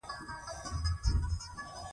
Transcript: هرات هر وخت د خراسان مهم ښار و.